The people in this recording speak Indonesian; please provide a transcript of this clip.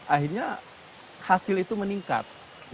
akhirnya hasil itu meningkat